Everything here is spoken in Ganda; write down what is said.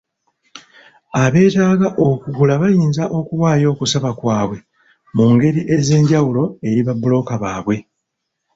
Abeetaaga okugula bayinza okuwaayo okusaba kwaabwe mu ngeri ez'enjawulo eri ba bbulooka baabwe.